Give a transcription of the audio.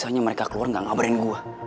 biasanya mereka keluar nggak ngabarin gue